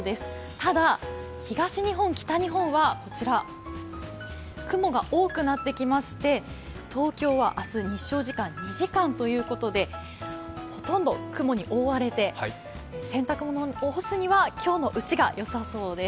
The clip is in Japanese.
ただ、東日本、北日本は雲が多くなってきまして、東京は明日日照時間が２時間ということで、ほとんど雲に覆われて、洗濯物を干すには今日のうちが、よさそうです。